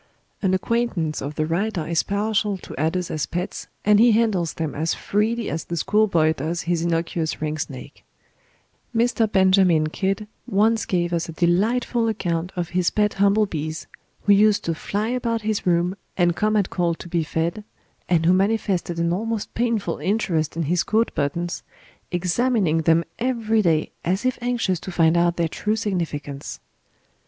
An acquaintance of the writer is partial to adders as pets, and he handles them as freely as the schoolboy does his innocuous ring snake; Mr. Benjamin Kidd once gave us a delightful account of his pet humble bees, who used to fly about his room, and come at call to be fed, and who manifested an almost painful interest in his coat buttons, examining them every day as if anxious to find out their true significance.